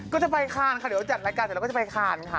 ก็จะไปคานค่ะเดี๋ยวจัดรายการเสร็จแล้วก็จะไปคานค่ะ